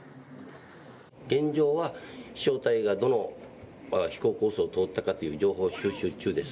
現状は飛しょう体がどの飛行コースを通ったかという情報収集中です。